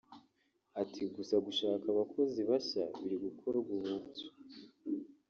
Ati ‘‘Gusa gushaka abakozi bashya biri gukorwa ubu byo